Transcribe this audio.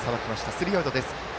スリーアウトです。